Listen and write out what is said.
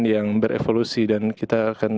yang berevolusi dan kita akan